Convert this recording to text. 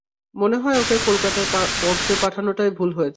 মনে হয় ওকে কলকাতায় পড়তে পাঠানোটাই ভুল হয়েছে।